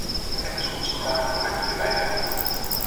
Het is onze taak om hen hierbij te helpen.